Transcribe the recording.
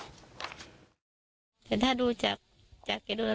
สงใจว่าคือหาไม่เจออยู่แล้ว